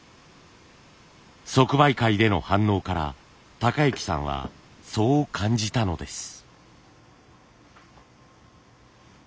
即売会での反応から崇之さんはそう感じたのです。